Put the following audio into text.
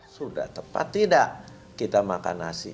sudah tepat tidak kita makan nasi